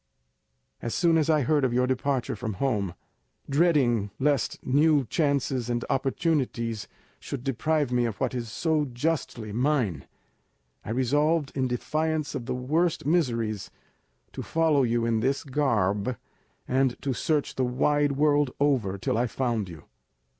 As soon as I heard of your departure from home, dreading lest new chances and opportunities should deprive me of what is so justly mine, I resolved, in defiance of the worst miseries, to follow you in this garb, and to search the wide world over till I found you.